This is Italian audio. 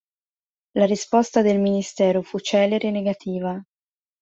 La risposta del Ministero fu celere e negativa.